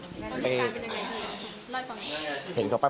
เจ้าชื่ออะไร